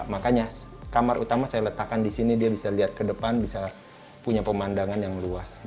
makanya kamar utama saya letakkan di sini dia bisa lihat ke depan bisa punya pemandangan yang luas